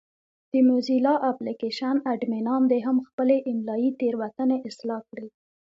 د موزیلا اپلېکشن اډمینان دې هم خپلې املایي تېروتنې اصلاح کړي.